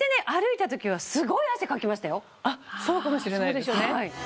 あっそうかもしれないですね。